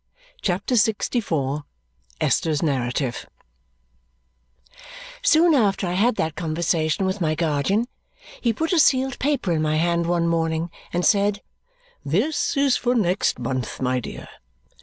CHAPTER LXIV Esther's Narrative Soon after I had that conversation with my guardian, he put a sealed paper in my hand one morning and said, "This is for next month, my dear."